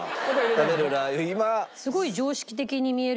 食べるラー油今。